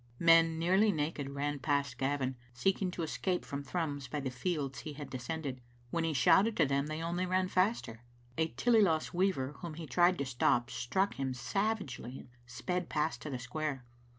Men nearly naked ran past Gavin, seeking to escape from Thrums by the fields he had descended. When he shouted to them they only ran faster. A Tillyloss weaver whom he tried to stop struck him savagely and sped past to the square.